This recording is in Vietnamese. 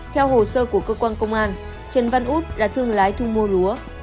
theo hồ sơ của cơ quan công an trần văn út là thương lái thu mua lúa